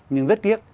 nhưng rất tiếc